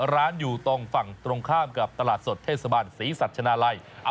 ร้านอยู่ตรงฝั่งตรงข้ามกับตลาดสดเทศบาลศรีสัชนาลัย